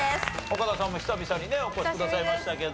岡田さんも久々にねお越しくださいましたけど。